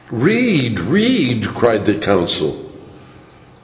"Read! Read!" cried the Council.